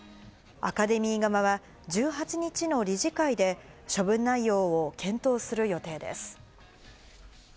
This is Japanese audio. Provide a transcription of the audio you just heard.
アカデミー側は、１８日の理事会で、処分内容を検討する予定です。